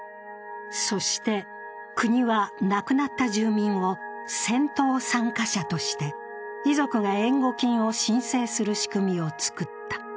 そして、国は亡くなった住民を戦闘参加者として、遺族が援護金を申請する仕組みを作った。